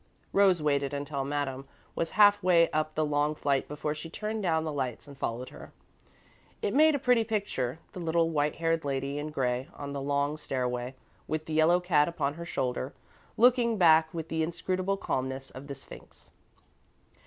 Rose waited until Madame was half way up the long flight before she turned down the lights and followed her. It made a pretty picture the little white haired lady in grey on the long stairway, with the yellow cat upon her shoulder, looking back with the inscrutable calmness of the Sphinx.